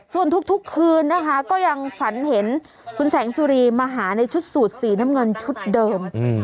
ส่วนทุกคืนนะคะก็ยังฝันเห็นคุณแสงสุรีมาหาในชุดสูตรสีน้ำเงินชุดเดิม